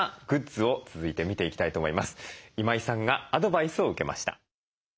今井さんがアドバイスを受けました。